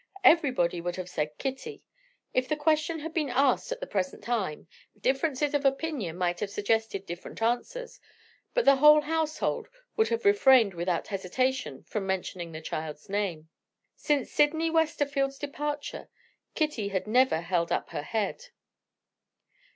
everybody would have said: Kitty. If the question had been asked at the present time, differences of opinion might have suggested different answers but the whole household would have refrained without hesitation from mentioning the child's name. Since Sydney Westerfield's departure Kitty had never held up her head.